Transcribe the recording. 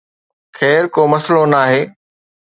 خير، ڪو مسئلو ناهي